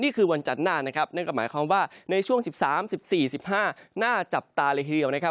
วันจันทร์หน้านะครับนั่นก็หมายความว่าในช่วง๑๓๑๔๑๕น่าจับตาเลยทีเดียวนะครับ